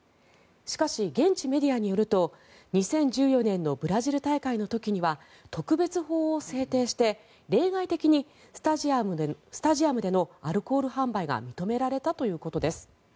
しかし、現地メディアによると２０１４年のブラジル大会の時には特別法を制定して、例外的にスタジアムでのアルコール販売が認められたということです。